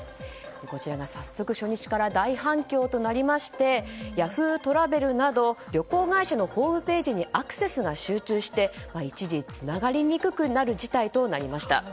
こちらが早速初日から大反響となりましてＹａｈｏｏ！トラベルなど旅行会社のホームページにアクセスが集中して一時つながりにくくなる事態となりました。